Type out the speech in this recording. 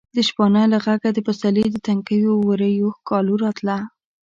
د شپانه له غږه د پسرلي د تنکیو ورویو ښکالو راتله.